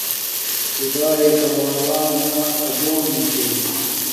خدݳئݺ کمݳلݳتݸݣ اَجݸنݺ چھݺ.